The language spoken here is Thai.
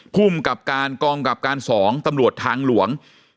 ภูมิกรรมกรรมกรรมกรรมกรรม๒ตำรวจทางหลวง